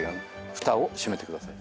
ふたを閉めてください。